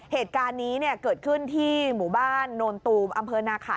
เหตุการณ์นี้เนี่ยเกิดขึ้นที่หมู่บ้านโนนตูมอำเภอนาขา